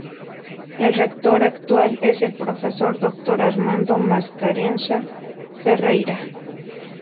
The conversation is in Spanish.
El rector actual es el Profesor Doctor Armando Mascarenhas Ferreira.